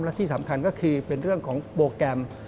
และที่สำคัญก็คือเป็นเรื่องของโปรแกรม